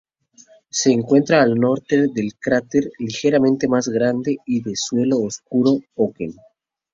Se encuentra al norte del cráter ligeramente más grande y de suelo oscuro Oken.